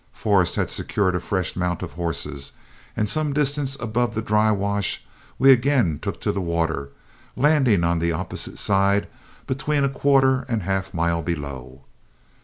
Forrest had secured a fresh mount of horses, and some distance above the dry wash we again took to the water, landing on the opposite side between a quarter and half mile below.